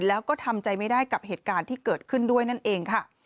แล้วก็ทำใจไม่ได้กับเหตุการณ์ที่เกิดขึ้นด้วยนั่นเองค่ะ